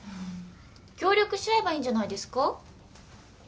協力し合えばいいんじゃないですか？